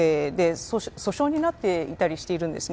訴訟になっていたりしているんです。